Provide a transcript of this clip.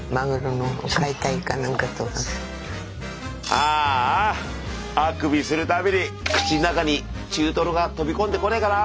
あああくびする度に口ん中に中トロが飛び込んでこねえかな。